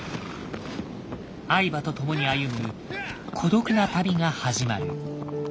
愛馬と共に歩む孤独な旅が始まる。